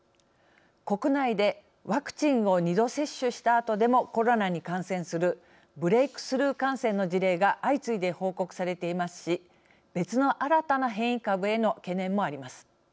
国内でワクチンを２度接種したあとでもコロナに感染するブレイクスルー感染の事例が相次いで報告されていますし別の新たな変異株への懸念もあります。